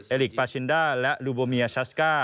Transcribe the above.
ลิกปาชินด้าและลูโบเมียซาสก้า